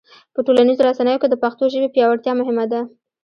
په ټولنیزو رسنیو کې د پښتو ژبې پیاوړتیا مهمه ده.